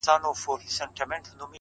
وخت د ارمانونو د پخېدو میدان دی,